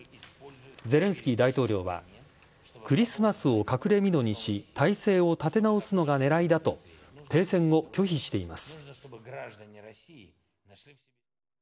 ゼレンスキー大統領はクリスマスを隠れみのにし態勢を立て直すのが狙いだと停戦を拒否しています。